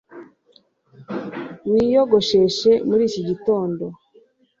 Wiyogoshesha muri iki gitondo